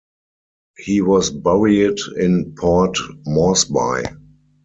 He was buried in Port Moresby.